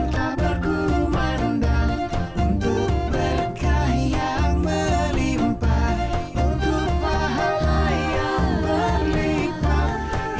kena ramadhan tak berkumandang untuk berkah yang melimpa untuk pahala yang berlipat